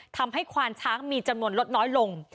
ควานช้างมีจำนวนลดน้อยลง